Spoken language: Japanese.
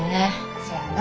せやな。